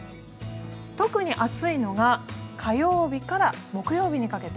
特に暑いのが火曜日から木曜日にかけて。